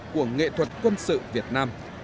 của nghệ thuật quân sự việt nam